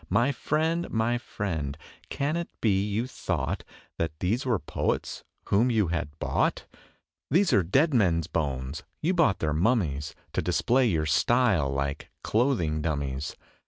My friend, my friend, can it be you thought That these were poets whom you had bought? These are dead men's bones. You bought their mummies To display your style, like clothing dummies.